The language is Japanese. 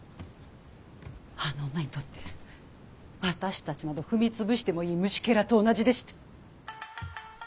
あの女にとって私たちなど踏み潰してもいい虫けらと同じでした。